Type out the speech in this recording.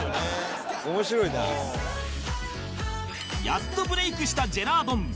やっとブレイクしたジェラードン